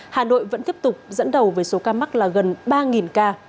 hà nội vẫn tiếp tục dẫn đầu với số ca mắc là gần ba ca